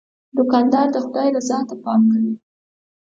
دوکاندار د خدای رضا ته پام کوي.